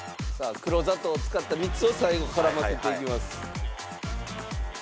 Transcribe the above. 黒砂糖を使った蜜を最後絡ませていきます。